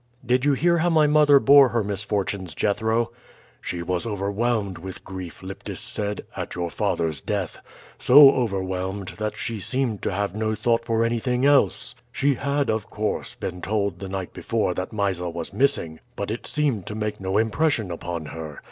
"Did you hear how my mother bore her misfortunes, Jethro?" "She was overwhelmed with grief, Lyptis said, at your father's death so overwhelmed that she seemed to have no thought for anything else. She had, of course, been told the night before that Mysa was missing; but it seemed to make no impression upon her.